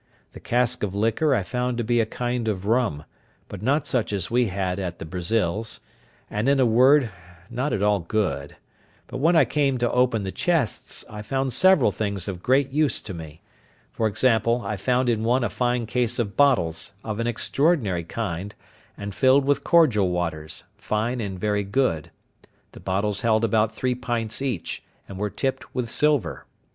The cask of liquor I found to be a kind of rum, but not such as we had at the Brazils; and, in a word, not at all good; but when I came to open the chests, I found several things of great use to me—for example, I found in one a fine case of bottles, of an extraordinary kind, and filled with cordial waters, fine and very good; the bottles held about three pints each, and were tipped with silver.